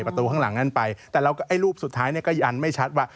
ประตูข้างหลังนั่นไปแล้วรูปสุดท้ายก็ยันไม่ชัดว่า